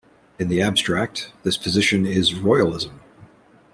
In the abstract, this position is royalism.